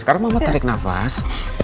sekarang mama tarik nafas